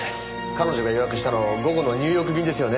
彼女が予約したの午後のニューヨーク便ですよね？